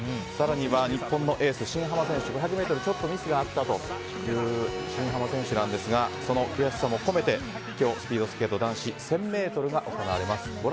更には日本のエース、新濱選手５００ｍちょっとミスがあったという新濱選手なんですがその悔しさも込めて今日スピードスケート男子１０００ｍが行われます。